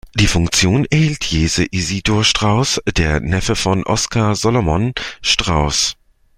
Die Funktion erhielt Jesse Isidor Straus, der Neffe von Oscar Solomon Straus.